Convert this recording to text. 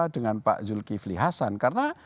dengan pak zulkifli hasan karena